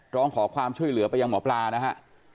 ร้องขอความช่วยเหลือไปยังหมอปลานะฮะ